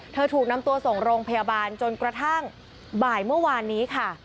ถูกนำตัวส่งโรงพยาบาลจนกระทั่งบ่ายเมื่อวานนี้ค่ะ